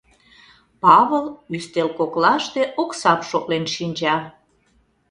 Павыл ӱстел коклаште оксам шотлен шинча.